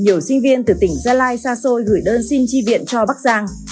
nhiều sinh viên từ tỉnh gia lai xa xôi gửi đơn xin chi viện cho bắc giang